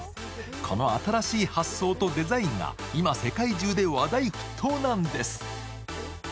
この新しい発想とデザインが今、世界中で話題沸騰なんです。